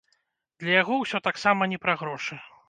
Для яго ўсё таксама не пра грошы.